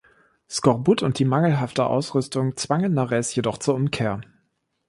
Skorbut und die mangelhafte Ausrüstung zwangen Nares jedoch zur Umkehr.